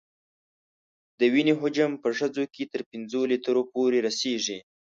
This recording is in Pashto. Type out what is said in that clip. د وینې حجم په ښځو کې تر پنځو لیترو پورې رسېږي.